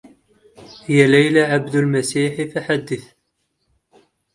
هي ليلى عبد المسيح فحدث